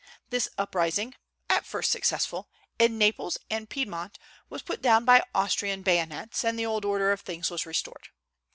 This uprising (at first successful) in Naples and Piedmont was put down by Austrian bayonets, and the old order of things was restored.